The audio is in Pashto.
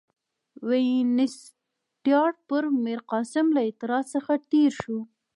وینسیټیارټ پر میرقاسم له اعتراض څخه تېر شو.